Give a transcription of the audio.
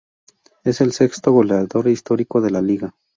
Es el sexto goleador histórico de la Liga.